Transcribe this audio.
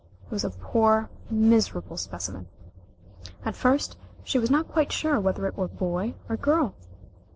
It was a poor miserable specimen. At first she was not quite sure whether it were boy or girl.